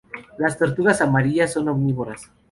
Las tortugas amarillas son omnívoras.